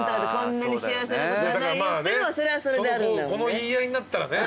この言い合いになったらね。